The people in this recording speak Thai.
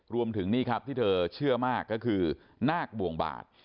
รวมถึงนี่ครับที่เธอเชื่อมากก็คือนาคบวงบาด